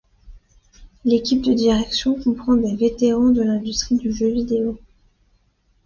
L'équipe de direction comprend des vétérans de l'industrie du jeu vidéo.